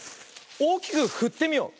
おおきくふってみよう。